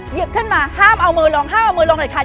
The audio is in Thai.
หยิบขึ้นมาห้ามเอามือร้องห้ามเอามือร้องเด็ดขาด